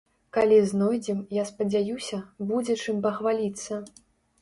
Калі знойдзем, я спадзяюся, будзе чым пахваліцца.